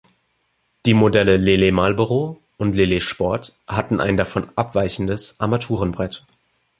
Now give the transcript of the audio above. Die Modelle Lele Marlboro und Lele Sport hatten ein davon abweichendes Armaturenbrett.